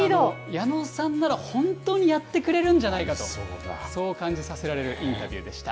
矢野さんなら本当にやってくれるんじゃないかと、そう感じさせられるインタビューでした。